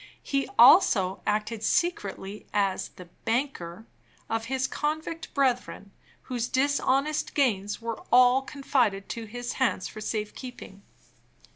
He also acted secretly as the "banker" of his convict brethren, whose dishonest gains were all confided to his hands for safe keeping.